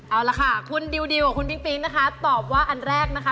เอาละค่ะคุณดิวกับคุณปิ๊งปิ๊งนะคะตอบว่าอันแรกนะคะ